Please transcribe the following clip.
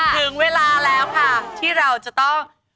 ถึงเวลาแล้วค่ะที่เราจะต้อง